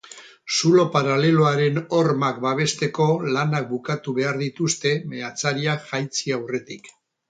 Zulo paraleloaren hormak babesteko lanak bukatu behar dituzte meatzariak jaitsi aurretik.